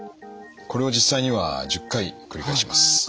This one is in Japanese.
これを実際には１０回繰り返します。